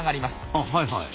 あはいはい。